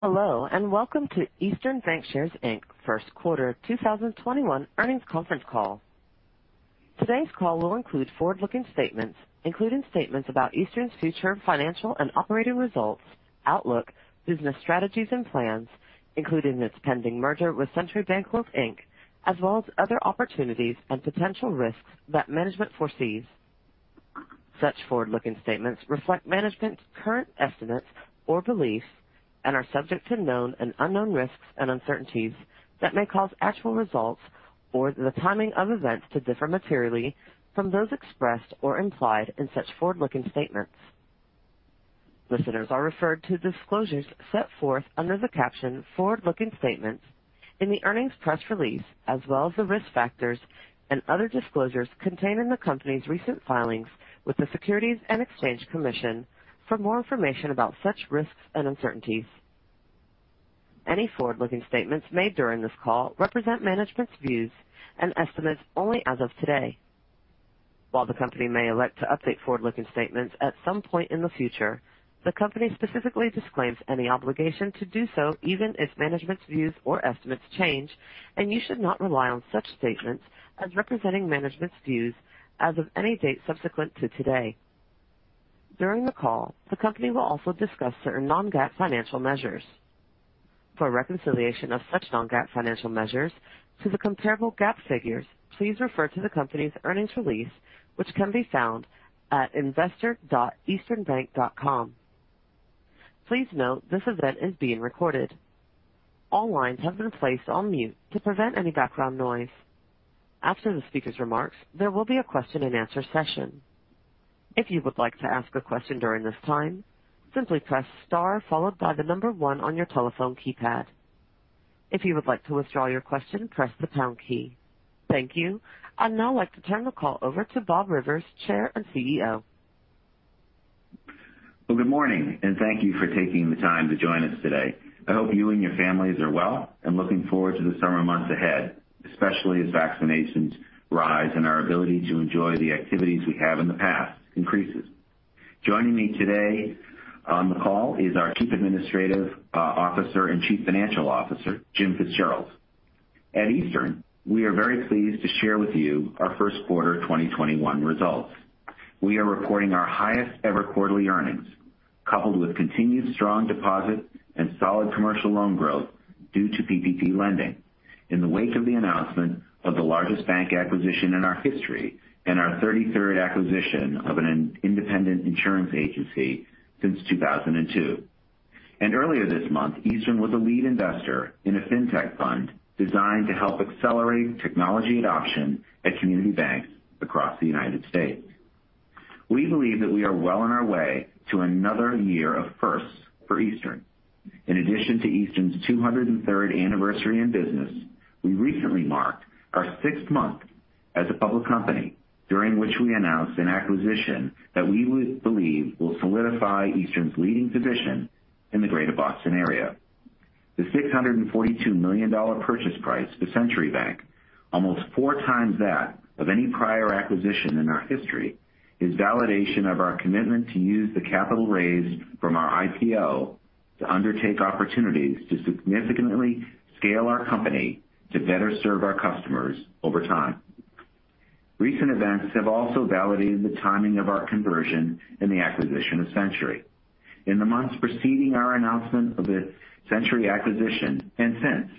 Hello, and welcome to Eastern Bankshares, Inc. first quarter 2021 Earnings Conference Call. Today's call will include forward-looking statements, including statements about Eastern's future financial and operating results, outlook, business strategies and plans, including its pending merger with Century Bancorp, Inc., as well as other opportunities and potential risks that management foresees. Such forward-looking statements reflect management's current estimates or beliefs and are subject to known and unknown risks and uncertainties that may cause actual results or the timing of events to differ materially from those expressed or implied in such forward-looking statements. Listeners are referred to disclosures set forth under the caption Forward-Looking Statements in the earnings press release, as well as the risk factors and other disclosures contained in the company's recent filings with the Securities and Exchange Commission for more information about such risks and uncertainties. Any Forward-Looking Statements made during this call represent management's views and estimates only as of today. While the company may elect to update Forward-Looking Statements at some point in the future, the company specifically disclaims any obligation to do so, even if management's views or estimates change, and you should not rely on such statements as representing management's views as of any date subsequent to today. During the call, the company will also discuss certain non-GAAP financial measures. For a reconciliation of such non-GAAP financial measures to the comparable GAAP figures, please refer to the company's earnings release, which can be found at investor.easternbank.com. Please note this event is being recorded. All lines have been placed on mute to prevent any background noise. After the speaker's remarks, there will be a question and answer session. If you wish to ask a question during this time, simply press star, followed by the number one on your telephone keypad. If you wish to withdraw your question, press the pound key. Thank you. I'd now like to turn the call over to Bob Rivers, Chair and CEO. Well, good morning, and thank you for taking the time to join us today. I hope you and your families are well and looking forward to the summer months ahead, especially as vaccinations rise and our ability to enjoy the activities we have in the past increases. Joining me today on the call is our Chief Administrative Officer and Chief Financial Officer, Jim Fitzgerald. At Eastern, we are very pleased to share with you our first quarter 2021 results. We are reporting our highest-ever quarterly earnings, coupled with continued strong deposit and solid commercial loan growth due to PPP lending, in the wake of the announcement of the largest bank acquisition in our history and our 33rd acquisition of an independent insurance agency since 2002. Earlier this month, Eastern was a lead investor in a fintech fund designed to help accelerate technology adoption at community banks across the U.S. We believe that we are well on our way to another year of firsts for Eastern. In addition to Eastern's 203rd anniversary in business, we recently marked our sixth month as a public company, during which we announced an acquisition that we believe will solidify Eastern's leading position in the greater Boston area. The $642 million purchase price for Century Bank, almost four times that of any prior acquisition in our history, is validation of our commitment to use the capital raised from our IPO to undertake opportunities to significantly scale our company to better serve our customers over time. Recent events have also validated the timing of our conversion in the acquisition of Century. In the months preceding our announcement of the Century acquisition, and since,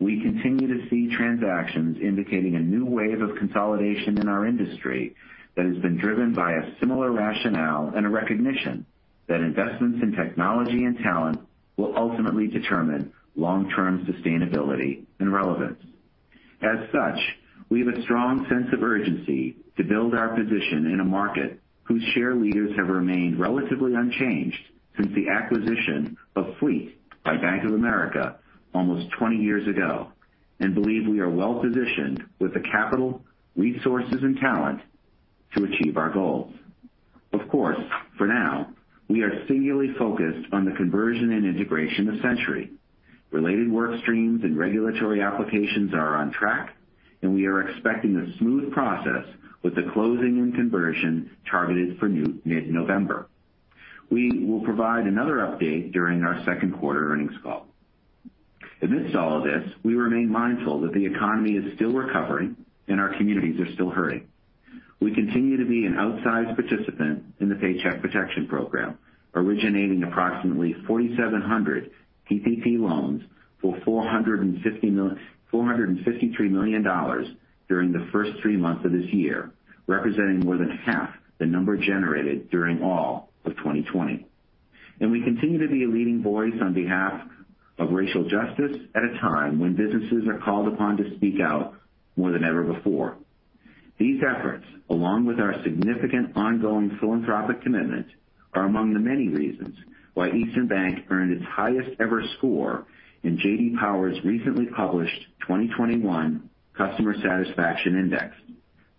we continue to see transactions indicating a new wave of consolidation in our industry that has been driven by a similar rationale and a recognition that investments in technology and talent will ultimately determine long-term sustainability and relevance. As such, we have a strong sense of urgency to build our position in a market whose share leaders have remained relatively unchanged since the acquisition of Fleet by Bank of America almost 20 years ago and believe we are well-positioned with the capital, resources and talent to achieve our goals. Of course, for now, we are singularly focused on the conversion and integration of Century. Related work streams and regulatory applications are on track, and we are expecting a smooth process with the closing and conversion targeted for mid-November. We will provide another update during our second quarter earnings call. Amidst all of this, we remain mindful that the economy is still recovering and our communities are still hurting. We continue to be an outsized participant in the Paycheck Protection Program, originating approximately 4,700 PPP loans for $453 million during the first three months of this year, representing more than half the number generated during all of 2020. We continue to be a leading voice on behalf of racial justice at a time when businesses are called upon to speak out more than ever before. These efforts, along with our significant ongoing philanthropic commitment, are among the many reasons why Eastern Bank earned its highest-ever score in J.D. Power's recently published 2021 Customer Satisfaction Index,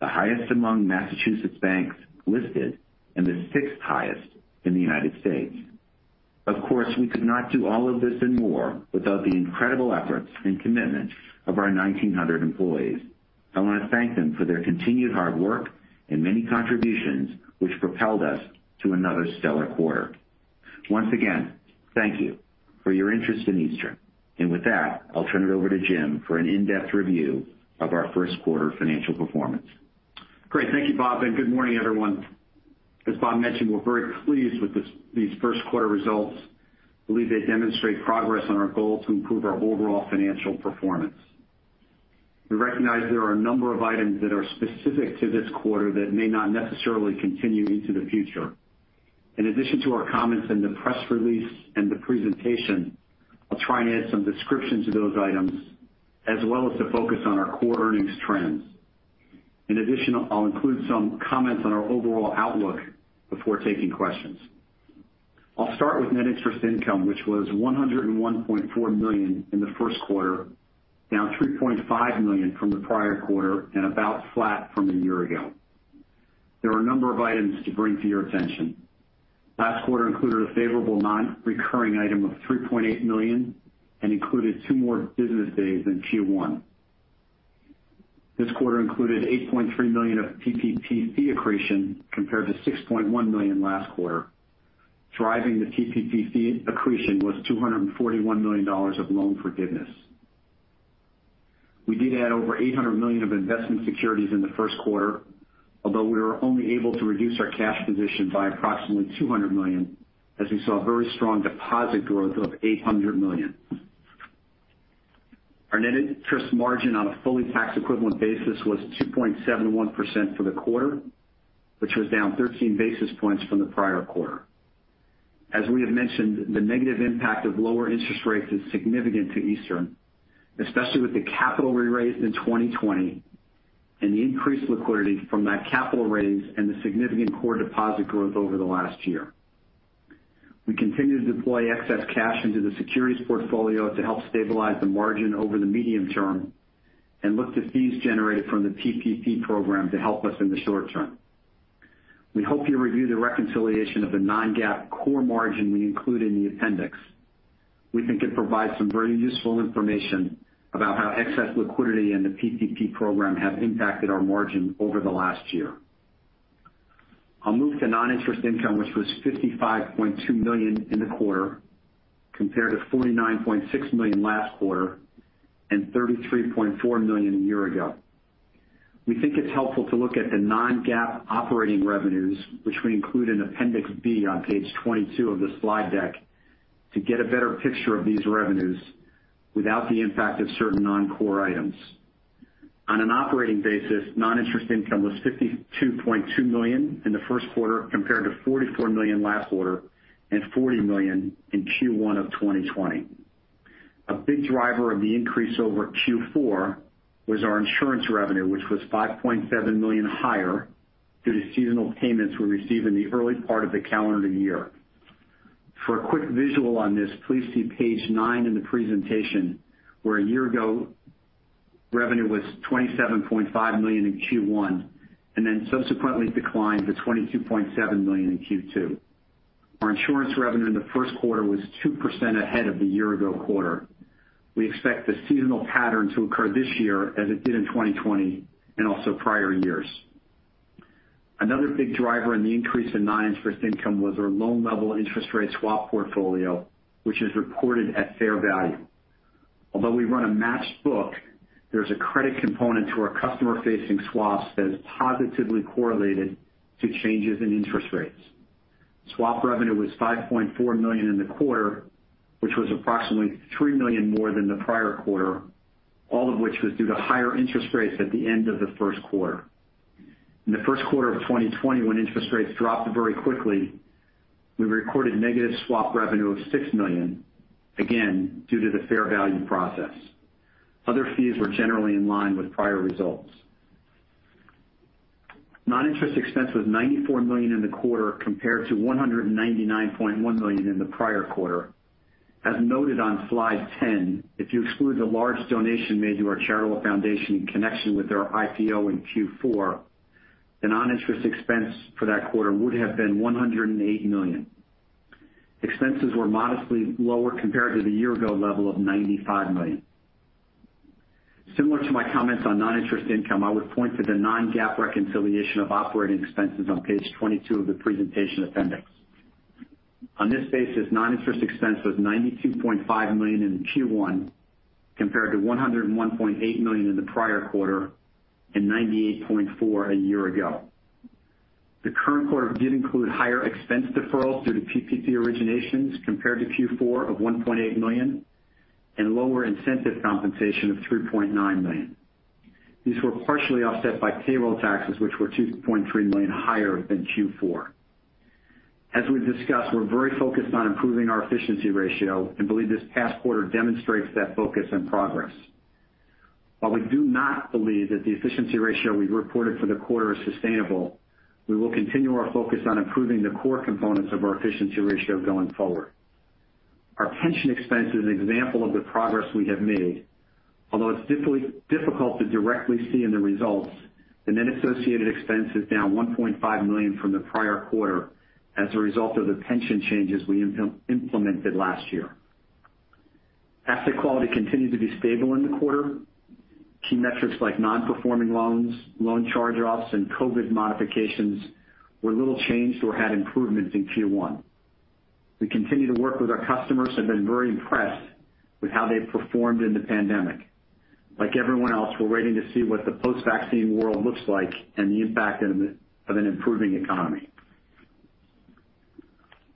the highest among Massachusetts banks listed and the sixth highest in the U.S. Of course, we could not do all of this and more without the incredible efforts and commitment of our 1,900 employees. I want to thank them for their continued hard work and many contributions, which propelled us to another stellar quarter. Once again, thank you for your interest in Eastern. With that, I'll turn it over to Jim for an in-depth review of our first quarter financial performance. Great. Thank you, Bob. Good morning, everyone. As Bob mentioned, we're very pleased with these first quarter results. We believe they demonstrate progress on our goal to improve our overall financial performance. We recognize there are a number of items that are specific to this quarter that may not necessarily continue into the future. In addition to our comments in the press release and the presentation, I'll try and add some description to those items, as well as the focus on our core earnings trends. I'll include some comments on our overall outlook before taking questions. I'll start with net interest income, which was $101.4 million in the first quarter, down $3.5 million from the prior quarter, about flat from a year ago. There are a number of items to bring to your attention. Last quarter included a favorable non-GAAP non-recurring item of $3.8 million and included two more business days than Q1. This quarter included $8.3 million of PPP fee accretion compared to $6.1 million last quarter. Driving the PPP fee accretion was $241 million of loan forgiveness. We did add over $800 million of investment securities in the first quarter, although we were only able to reduce our cash position by approximately $200 million, as we saw very strong deposit growth of $800 million. Our net interest margin on a fully tax-equivalent basis was 2.71% for the quarter, which was down 13 basis points from the prior quarter. As we have mentioned, the negative impact of lower interest rates is significant to Eastern, especially with the capital we raised in 2020 and the increased liquidity from that capital raise and the significant core deposit growth over the last year. We continue to deploy excess cash into the securities portfolio to help stabilize the margin over the medium term and look to fees generated from the PPP program to help us in the short term. We hope you review the reconciliation of the non-GAAP core margin we include in the appendix. We think it provides some very useful information about how excess liquidity and the PPP program have impacted our margin over the last year. I'll move to non-interest income, which was $55.2 million in the quarter, compared to $49.6 million last quarter and $33.4 million a year ago. We think it's helpful to look at the non-GAAP operating revenues, which we include in Appendix B on page 22 of the slide deck, to get a better picture of these revenues without the impact of certain non-core items. On an operating basis, non-interest income was $52.2 million in the first quarter, compared to $44 million last quarter and $40 million in Q1 of 2020. A big driver of the increase over Q4 was our insurance revenue, which was $5.7 million higher due to seasonal payments we received in the early part of the calendar year. For a quick visual on this, please see page 9 in the presentation, where a year ago, revenue was $27.5 million in Q1 and then subsequently declined to $22.7 million in Q2. Our insurance revenue in the first quarter was 2% ahead of the year-ago quarter. We expect the seasonal pattern to occur this year as it did in 2020 and also prior years. Another big driver in the increase in non-interest income was our loan-level interest rate swap portfolio, which is reported at fair value. Although we run a matched book, there is a credit component to our customer-facing swaps that is positively correlated to changes in interest rates. Swap revenue was $5.4 million in the quarter, which was approximately $3 million more than the prior quarter, all of which was due to higher interest rates at the end of the first quarter. In the first quarter of 2020, when interest rates dropped very quickly, we recorded negative swap revenue of $6 million, again, due to the fair value process. Other fees were generally in line with prior results. Non-interest expense was $94 million in the quarter compared to $199.1 million in the prior quarter. As noted on slide 10, if you exclude the large donation made to our charitable foundation in connection with our IPO in Q4, then non-interest expense for that quarter would have been $108 million. Expenses were modestly lower compared to the year-ago level of $95 million. Similar to my comments on non-interest income, I would point to the non-GAAP reconciliation of operating expenses on page 22 of the presentation appendix. On this basis, non-interest expense was $92.5 million in Q1 compared to $101.8 million in the prior quarter and $98.4 a year ago. The current quarter did include higher expense deferrals due to PPP originations compared to Q4 of $1.8 million and lower incentive compensation of $3.9 million. These were partially offset by payroll taxes, which were $2.3 million higher than Q4. As we've discussed, we're very focused on improving our efficiency ratio and believe this past quarter demonstrates that focus and progress. While we do not believe that the efficiency ratio we've reported for the quarter is sustainable, we will continue our focus on improving the core components of our efficiency ratio going forward. Our pension expense is an example of the progress we have made. Although it's difficult to directly see in the results, the net associated expense is down $1.5 million from the prior quarter as a result of the pension changes we implemented last year. Asset quality continued to be stable in the quarter. Key metrics like non-performing loans, loan charge-offs, and COVID modifications were little changed or had improvements in Q1. We continue to work with our customers and have been very impressed with how they've performed in the pandemic. Like everyone else, we're waiting to see what the post-vaccine world looks like and the impact of an improving economy.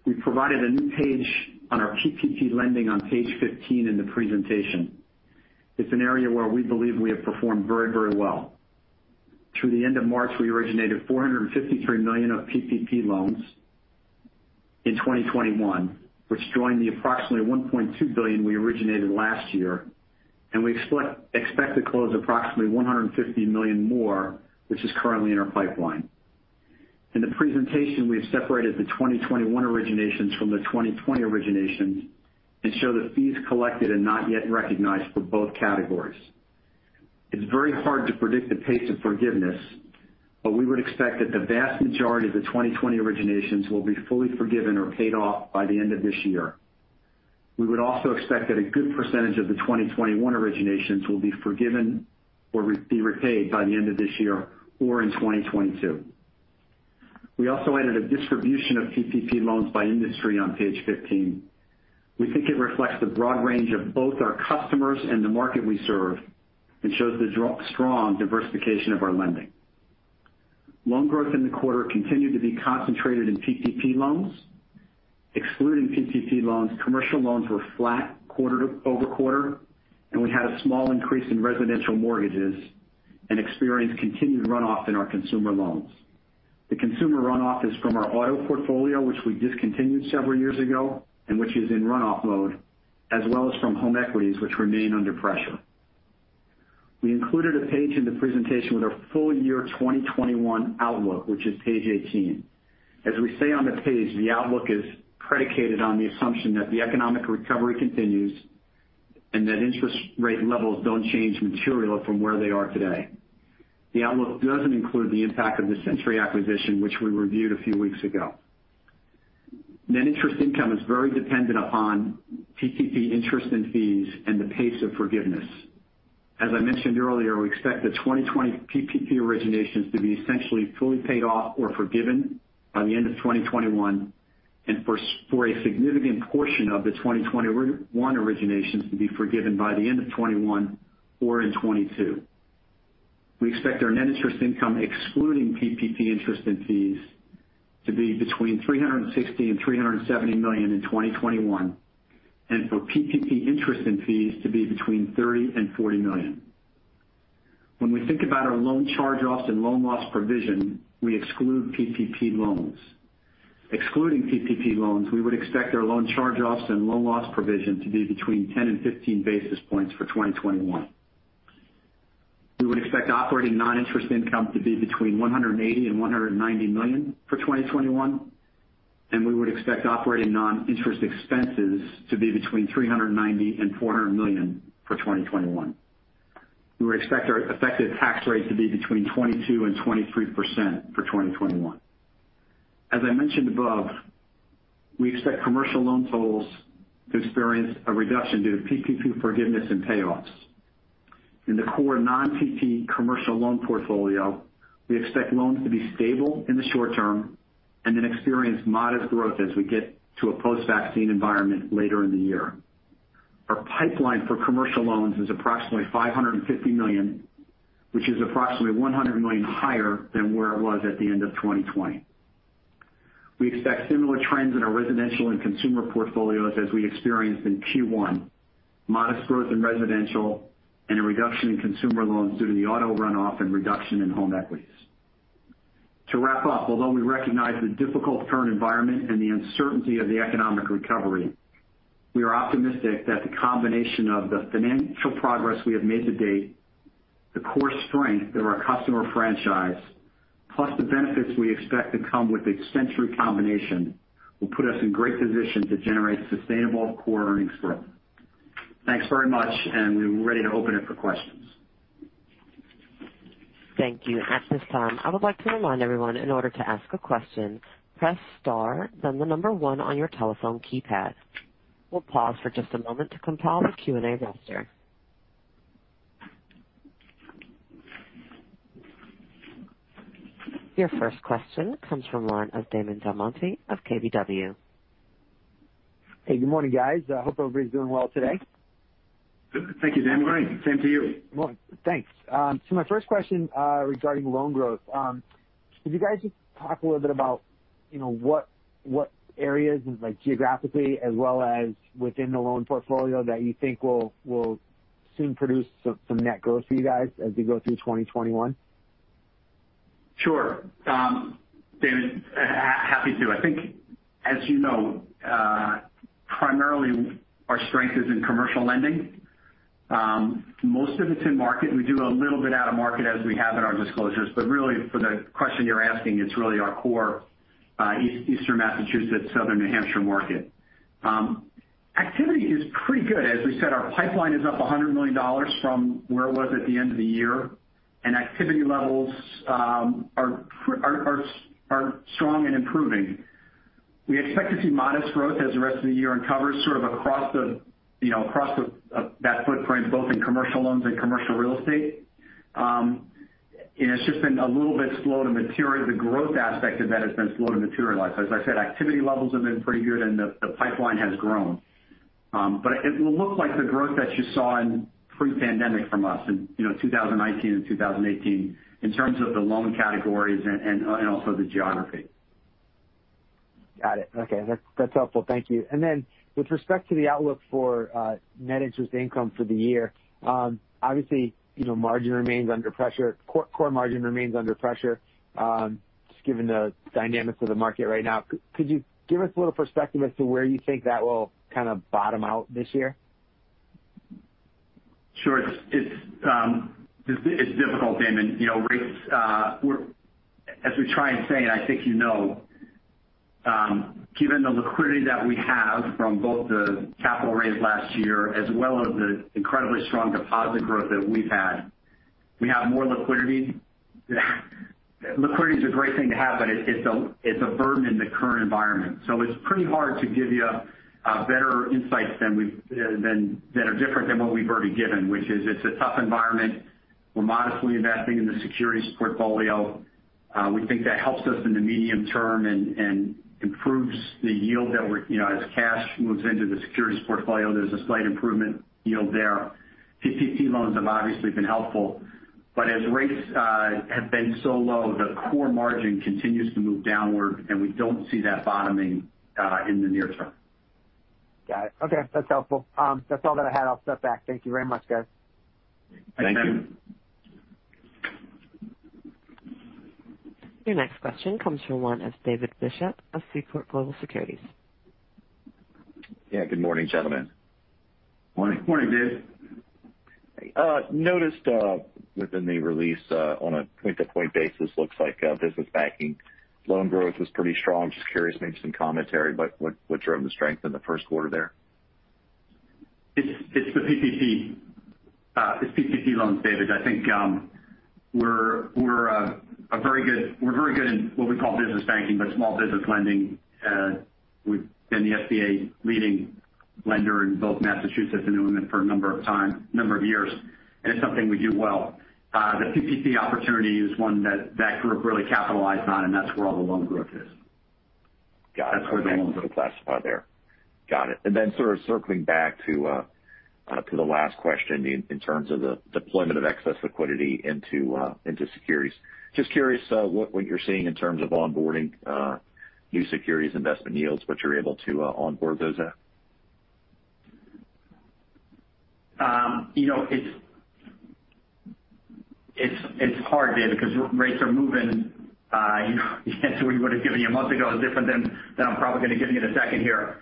We provided a new page on our PPP lending on page 15 in the presentation. It's an area where we believe we have performed very well. Through the end of March, we originated $453 million of PPP loans in 2021, which joined the approximately $1.2 billion we originated last year, and we expect to close approximately $150 million more, which is currently in our pipeline. In the presentation, we have separated the 2021 originations from the 2020 originations and show the fees collected and not yet recognized for both categories. It's very hard to predict the pace of forgiveness, but we would expect that the vast majority of the 2020 originations will be fully forgiven or paid off by the end of this year. We would also expect that a good percentage of the 2021 originations will be forgiven or be repaid by the end of this year or in 2022. We also added a distribution of PPP loans by industry on page 15. We think it reflects the broad range of both our customers and the market we serve and shows the strong diversification of our lending. Loan growth in the quarter continued to be concentrated in PPP loans. Excluding PPP loans, commercial loans were flat quarter-over-quarter, and we had a small increase in residential mortgages and experienced continued runoff in our consumer loans. The consumer runoff is from our auto portfolio, which we discontinued several years ago and which is in runoff mode, as well as from home equities, which remain under pressure. We included a page in the presentation with our full year 2021 outlook, which is page 18. As we say on the page, the outlook is predicated on the assumption that the economic recovery continues and that interest rate levels don't change materially from where they are today. The outlook doesn't include the impact of the Century acquisition, which we reviewed a few weeks ago. Net interest income is very dependent upon PPP interest and fees and the pace of forgiveness. As I mentioned earlier, we expect the 2020 PPP originations to be essentially fully paid off or forgiven by the end of 2021, and for a significant portion of the 2021 originations to be forgiven by the end of 2021 or in 2022. We expect our net interest income excluding PPP interest and fees to be between $360 million and $370 million in 2021, and for PPP interest and fees to be between $30 million and $40 million. When we think about our loan charge-offs and loan loss provision, we exclude PPP loans. Excluding PPP loans, we would expect our loan charge-offs and loan loss provision to be between 10 basis points and 15 basis points for 2021. We would expect operating non-interest income to be between $180 million and $190 million for 2021, and we would expect operating non-interest expenses to be between $390 million and $400 million for 2021. We would expect our effective tax rate to be between 22% and 23% for 2021. As I mentioned above, we expect commercial loan totals to experience a reduction due to PPP forgiveness and payoffs. In the core non-PPP commercial loan portfolio, we expect loans to be stable in the short term and then experience modest growth as we get to a post-vaccine environment later in the year. Our pipeline for commercial loans is approximately $550 million, which is approximately $100 million higher than where it was at the end of 2020. We expect similar trends in our residential and consumer portfolios as we experienced in Q1. Modest growth in residential and a reduction in consumer loans due to the auto runoff and reduction in home equities. To wrap up, although we recognize the difficult current environment and the uncertainty of the economic recovery, we are optimistic that the combination of the financial progress we have made to date, the core strength of our customer franchise, plus the benefits we expect to come with the Century combination, will put us in great position to generate sustainable core earnings growth. Thanks very much, and we're ready to open it for questions. Thank you. At this time, I would like to remind everyone, in order to ask a question, press star, then the number one on your telephone keypad. We'll pause for just a moment to compile the Q&A roster. Your first question comes from the line of Damon DelMonte of KBW. Hey, good morning, guys. I hope everybody's doing well today. Thank you, Damon. Same to you. Well, thanks. My first question regarding loan growth, could you guys just talk a little bit about what areas, geographically as well as within the loan portfolio, that you think will soon produce some net growth for you guys as we go through 2021? Sure. Damon, happy to. I think, as you know, primarily our strength is in commercial lending. Most of it's in market. We do a little bit out-of-market as we have in our disclosures. Really for the question you're asking, it's really our core Eastern Massachusetts, Southern New Hampshire market. Activity is pretty good. As we said, our pipeline is up $100 million from where it was at the end of the year. Activity levels are strong and improving. We expect to see modest growth as the rest of the year uncovers across that footprint, both in commercial loans and commercial real estate. It's just been a little bit slow to materialize. The growth aspect of that has been slow to materialize. As I said, activity levels have been pretty good, and the pipeline has grown. It will look like the growth that you saw in pre-pandemic from us in 2019 and 2018 in terms of the loan categories and also the geography. Got it. Okay. That's helpful. Thank you. With respect to the outlook for net interest income for the year, obviously, margin remains under pressure. Core margin remains under pressure, just given the dynamics of the market right now. Could you give us a little perspective as to where you think that will kind of bottom out this year? Sure. It's difficult, Damon. As we try and say, and I think you know, given the liquidity that we have from both the capital raise last year as well as the incredibly strong deposit growth that we've had, we have more liquidity. Liquidity is a great thing to have, but it's a burden in the current environment. It's pretty hard to give you better insights that are different than what we've already given, which is it's a tough environment. We're modestly investing in the securities portfolio. We think that helps us in the medium term and improves the yield as cash moves into the securities portfolio. There's a slight improvement yield there. PPP loans have obviously been helpful. As rates have been so low, the core margin continues to move downward, and we don't see that bottoming in the near term. Got it. Okay. That's helpful. That's all that I had. I'll step back. Thank you very much, guys. Thank you. Your next question comes from the line of David Bishop of Seaport Global Securities. Yeah. Good morning, gentlemen. Morning. Morning, Dave. Noticed within the release on a point-to-point basis, looks like business banking loan growth was pretty strong. Just curious, maybe some commentary, what drove the strength in the first quarter there? It's the PPP loans, David. I think we're very good in what we call business banking, but small business lending. We've been the SBA leading lender in both Massachusetts and New England for a number of years, and it's something we do well. The PPP opportunity is one that group really capitalized on, and that's where all the loan growth is. Got it. That's where the loans are classified there. Got it. Sort of circling back to the last question in terms of the deployment of excess liquidity into securities. Just curious what you're seeing in terms of onboarding new securities investment yields, what you're able to onboard those at. It's hard, David, because rates are moving. The answer we would've given you a month ago is different than I'm probably going to give you in a second here.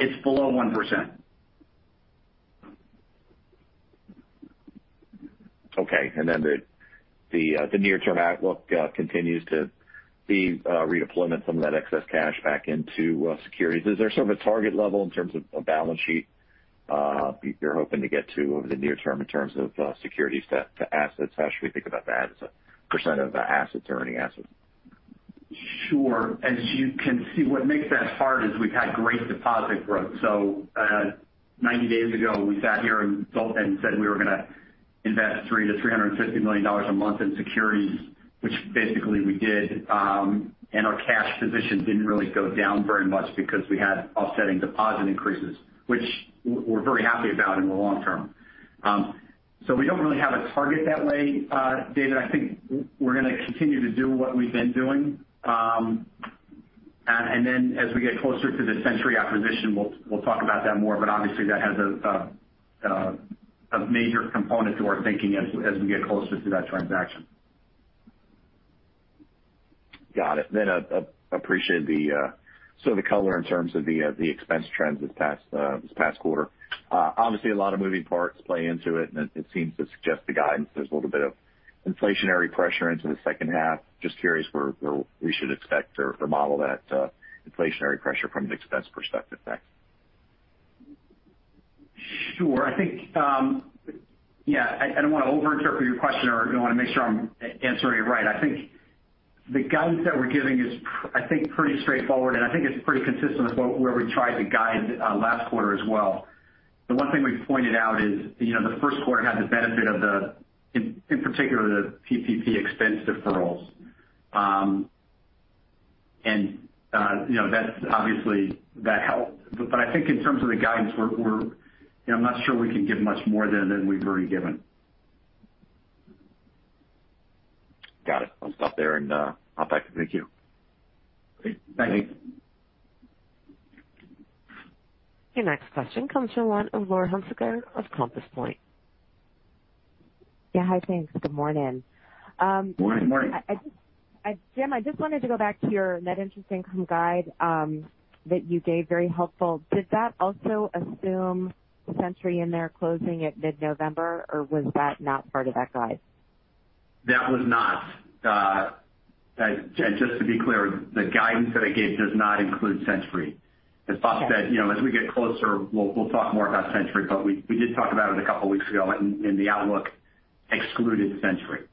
It's below 1%. Okay. The near-term outlook continues to be redeployment of some of that excess cash back into securities. Is there sort of a target level in terms of a balance sheet you're hoping to get to over the near term in terms of securities to assets? How should we think about that as a percent of assets or earning assets? Sure. As you can see, what makes that hard is we've had great deposit growth. 90 days ago, we sat here and said we were going to invest $300 million-$350 million a month in securities, which basically we did. Our cash position didn't really go down very much because we had offsetting deposit increases, which we're very happy about in the long term. We don't really have a target that way, David. I think we're going to continue to do what we've been doing. As we get closer to the Century acquisition, we'll talk about that more. Obviously, that has a major component to our thinking as we get closer to that transaction. Got it. Appreciate the sort of color in terms of the expense trends this past quarter. Obviously, a lot of moving parts play into it, and it seems to suggest the guidance. There's a little bit of inflationary pressure into the second half. Just curious where we should expect or model that inflationary pressure from an expense perspective next. Sure. I don't want to over-interpret your question, or I want to make sure I'm answering it right. I think the guidance that we're giving is pretty straightforward, and I think it's pretty consistent with where we tried to guide last quarter as well. The one thing we pointed out is the first quarter had the benefit of the, in particular, the PPP expense deferrals. Obviously, that helped. I think in terms of the guidance, I'm not sure we can give much more than we've already given. Got it. I'll stop there and hop back. Thank you. Great. Thank you. Your next question comes from one of Laurie Hunsicker of Compass Point. Yeah. Hi, thanks. Good morning. Good morning. Morning. Jim, I just wanted to go back to your net interest income guide that you gave. Very helpful. Did that also assume Century in there closing at mid-November, or was that not part of that guide? That was not. Just to be clear, the guidance that I gave does not include Century. As Bob said, as we get closer, we'll talk more about Century. We did talk about it a couple of weeks ago, and the outlook excluded Century.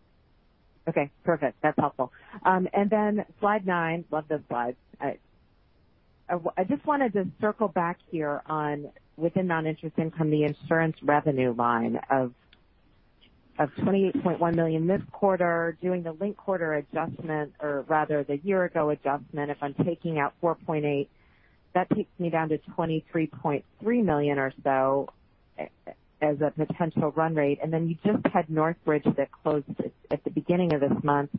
Okay, perfect. That's helpful. Then slide 9. Love the slides. I just wanted to circle back here on, within non-interest income, the insurance revenue line of $28.1 million this quarter. Doing the linked quarter adjustment, or rather the year-ago adjustment, if I'm taking out $4.8 million, that takes me down to $23.3 million or so as a potential run rate. Then you just had NorthBridge that closed at the beginning of this month,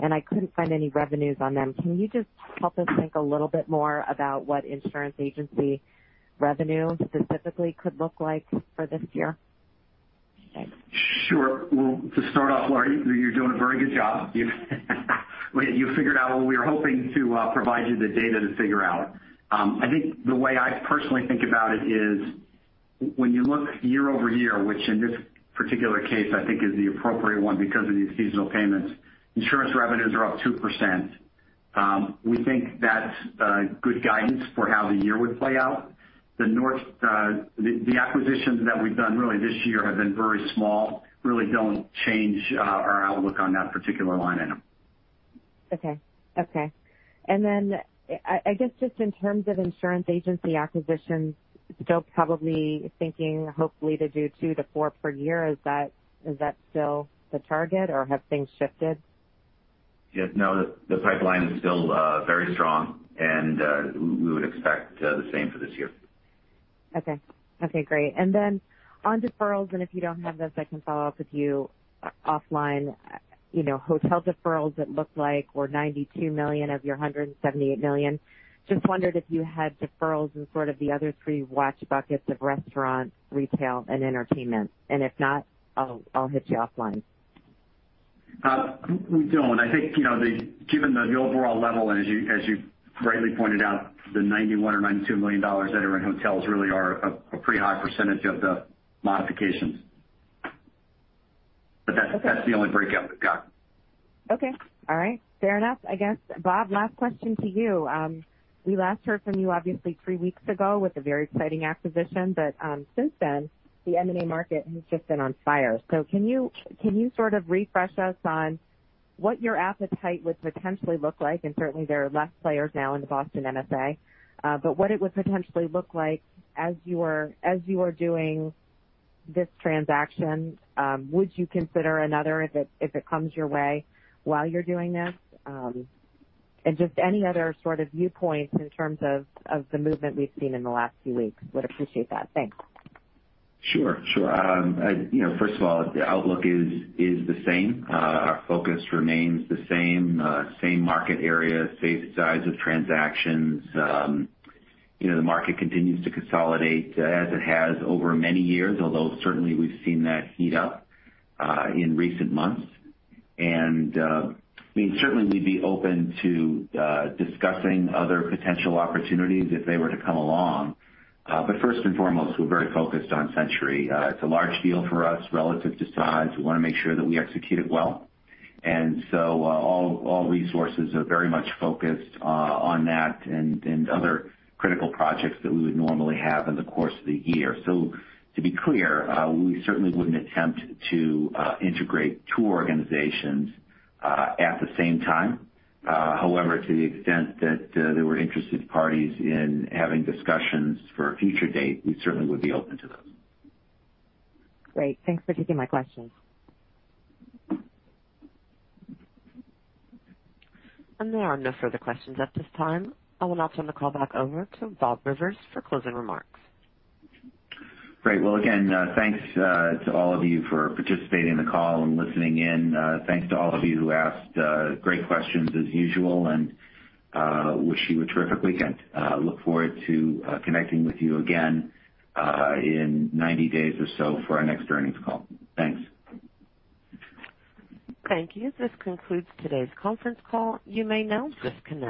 and I couldn't find any revenues on them. Can you just help us think a little bit more about what insurance agency revenue specifically could look like for this year? Thanks. Sure. Well, to start off, Laurie, you're doing a very good job. You figured out what we were hoping to provide you the data to figure out. I think the way I personally think about it is when you look year-over-year, which in this particular case I think is the appropriate one because of these seasonal payments, insurance revenues are up 2%. We think that's good guidance for how the year would play out. The acquisitions that we've done really this year have been very small, really don't change our outlook on that particular line item. Okay. I guess just in terms of insurance agency acquisitions, still probably thinking hopefully to do 2%-4% per year. Is that still the target or have things shifted? Yes, no, the pipeline is still very strong and we would expect the same for this year. Okay. Great. Then on deferrals, if you don't have those, I can follow up with you offline. Hotel deferrals, it looked like, were $92 million of your $178 million. Just wondered if you had deferrals in sort of the other three watch buckets of restaurant, retail and entertainment. If not, I'll hit you offline. We don't. I think given the overall level, and as you rightly pointed out, the $91 million or $92 million that are in hotels really are a pretty high percentage of the modifications. That's the only breakout we've got. Okay. All right. Fair enough, I guess. Bob, last question to you. We last heard from you obviously three weeks ago with a very exciting acquisition. Since then, the M&A market has just been on fire. Can you sort of refresh us on what your appetite would potentially look like, and certainly there are less players now in the Boston MSA, but what it would potentially look like as you are doing this transaction? Would you consider another if it comes your way while you're doing this? Just any other sort of viewpoints in terms of the movement we've seen in the last few weeks. Would appreciate that. Thanks. Sure. First of all, the outlook is the same. Our focus remains the same. Same market area, same size of transactions. The market continues to consolidate as it has over many years, although certainly we've seen that heat up in recent months. Certainly we'd be open to discussing other potential opportunities if they were to come along. First and foremost, we're very focused on Century. It's a large deal for us relative to size. We want to make sure that we execute it well. All resources are very much focused on that and other critical projects that we would normally have in the course of the year. To be clear, we certainly wouldn't attempt to integrate two organizations at the same time. However, to the extent that there were interested parties in having discussions for a future date, we certainly would be open to those. Great. Thanks for taking my questions. There are no further questions at this time. I will now turn the call back over to Bob Rivers for closing remarks. Great. Well, again, thanks to all of you for participating in the call and listening in. Thanks to all of you who asked great questions as usual, and wish you a terrific weekend. Look forward to connecting with you again in 90 days or so for our next earnings call. Thanks. Thank you. This concludes today's conference call. You may now disconnect.